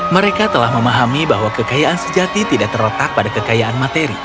mereka telah memahami bahwa kekayaan sejati tidak terletak pada kekayaan materi